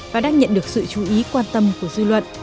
và đang nhận được sự chú ý quan tâm của dư luận